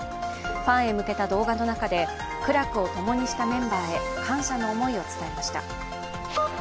ファンへ向けた動画の中で苦楽をともにしたメンバーへ感謝の思いを伝えました。